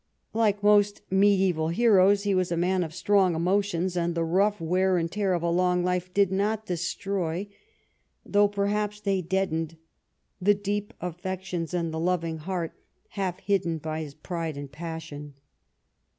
Like most mediaeval heroes, he was a man of strong emotions, and the rough wear and tear of a long life did not destroy, though perhaps they deadened, the deep affections and the loving heart half hidden by his pride and passion.